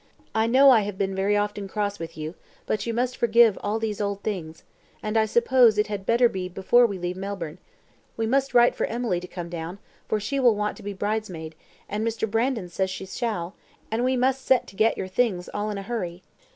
I know I have been very often cross with you, but you must forgive all these old things; and I suppose it had better be before we leave Melbourne. We must write for Emily to come down, for she will want to be bridesmaid, and Mr. Brandon says she shall, and we must set to get your things all in a hurry."